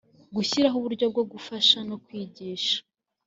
gushyiraho uburyo bwo gufasha no kwigisha